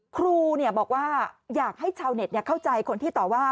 ครูบอกว่าอยากให้ชาวเน็ตเข้าใจคนที่ต่อว่า